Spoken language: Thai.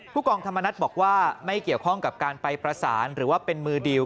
ผู้กองธรรมนัฐบอกว่าไม่เกี่ยวข้องกับการไปประสาน